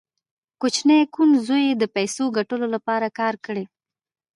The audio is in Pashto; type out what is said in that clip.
کوچني کوڼ زوی یې د پیسو ګټلو لپاره کار کړی